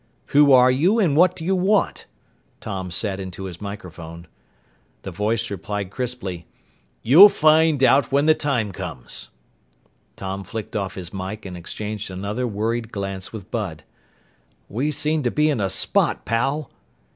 "Who are you and what do you want?" Tom said into his microphone. The voice replied crisply, "You'll find out when the time comes!" Tom flicked off his mike and exchanged another worried glance with Bud. "We seem to be in a spot, pal!"